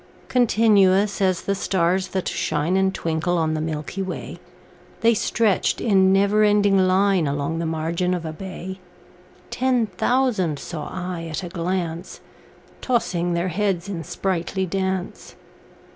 Continuous as the stars that shine And twinkle on the milky way, The stretched in never ending line Along the margin of a bay: Ten thousand saw I at a glance, Tossing their heads in sprightly dance.